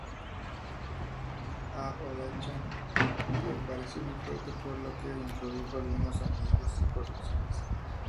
A Olaechea le pareció muy fuerte, por lo que introdujo algunos añadidos y correcciones.